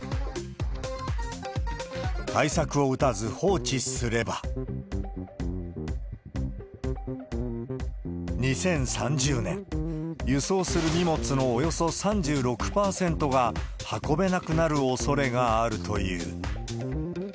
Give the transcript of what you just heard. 対策を打たず放置すれば、２０３０年、輸送する荷物のおよそ３６％が運べなくなるおそれがあるという。